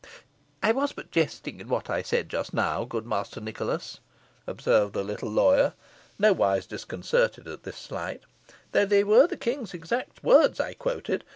"I was but jesting in what I said just now, good Master Nicholas," observed the little lawyer, nowise disconcerted at the slight "though they were the king's exact words I quoted.